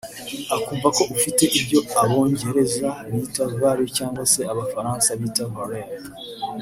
ukumva ko ufite ibyo abongereza bita value cyangwa se abafaransa bita valeur